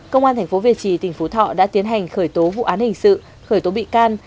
công an tp việt trì tỉnh phú thọ đã tiến hành khởi tố vụ án hình sự khởi tố bị can